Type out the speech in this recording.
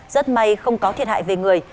rất may không có thiệt hại về người